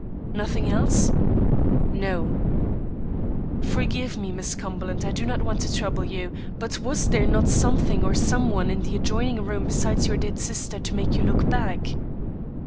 "Nothing else?" "No." "Forgive me, Miss Cumberland, I do not want to trouble you, but was there not something or some one in the adjoining room besides your dead sister, to make you look back?"